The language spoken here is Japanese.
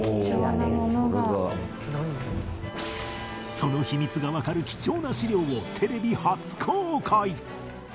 その秘密がわかる貴重な史料をテレビ初公開！